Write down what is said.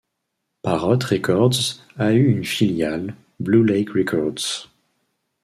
Parrot Records a eu une filiale, Blue Lake Records.